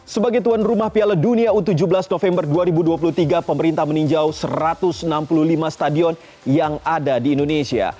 sebagai tuan rumah piala dunia u tujuh belas november dua ribu dua puluh tiga pemerintah meninjau satu ratus enam puluh lima stadion yang ada di indonesia